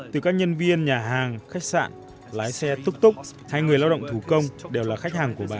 từ các nhân viên nhà hàng khách sạn lái xe túc túc hay người lao động thủ công đều là khách hàng của bà